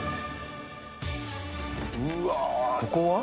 うわー、ここは？